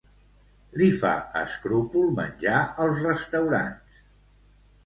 Li fa escrúpol menjar als restaurants.